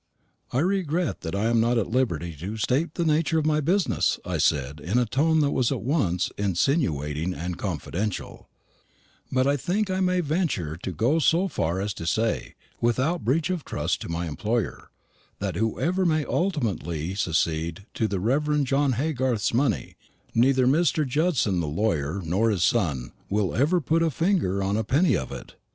"I regret that I am not at liberty to state the nature of my business," I said, in a tone that was at once insinuating and confidential; "but I think I may venture to go so far as to say, without breach of trust to my employer, that whoever may ultimately succeed to the Rev. John Haygarth's money, neither Mr. Judson the lawyer nor his son will ever put a finger on a penny of it."